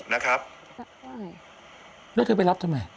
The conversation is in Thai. แล้วเธอไปรับทำไม